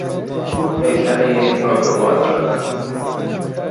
او هیکل یک آکروبات را دارد.